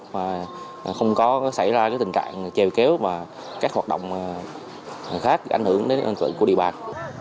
mà không có xảy ra tình trạng chèo kéo và các hoạt động khác ảnh hưởng đến an ninh trật tự của địa bàn